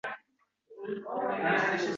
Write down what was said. Bir kuni akam eshikdan baqirib kirdi.